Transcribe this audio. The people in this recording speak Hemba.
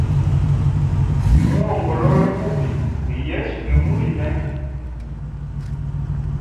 Limuongolola bubi ni yesu ge mwine.